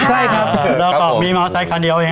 ใช่ครับเราก็มีมาร์สไซค์คันเดียวเอง